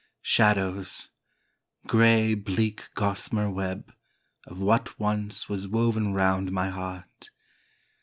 Shadows — gray bleak gossamer web Of what once was woven 'round my heart.